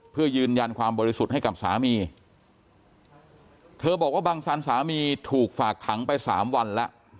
เพื่อยืนยันความบริสุทธิ์ให้กับสามีเธอบอกว่าบังสันสามีถูกฝากขังไปสามวันแล้ว